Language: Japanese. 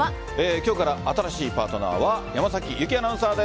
今日から新しいパートナーは山崎夕貴アナウンサーです。